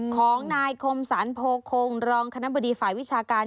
ของนายคมสรรโพคงรองคณะบดีฝ่ายวิชาการ